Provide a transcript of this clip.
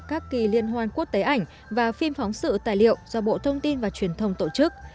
các kỳ liên hoan quốc tế ảnh và phim phóng sự tài liệu do bộ thông tin và truyền thông tổ chức